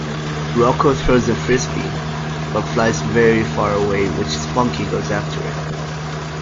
Rocko throws the frisbee, but flies very far away which Spunky goes after it.